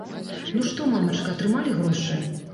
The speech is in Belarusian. Ну што, мамачка, атрымалі грошы?